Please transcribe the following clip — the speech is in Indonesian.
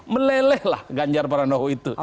meleleh lah ganjar paranowo itu